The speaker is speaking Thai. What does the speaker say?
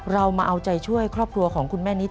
เรามาเอาใจช่วยครอบครัวของคุณแม่นิด